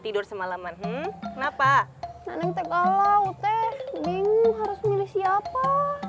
teh bingung harus milih siapa